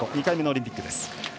２回目のオリンピックです。